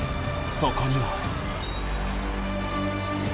［そこには］